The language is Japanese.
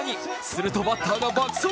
すると、バッターが爆走。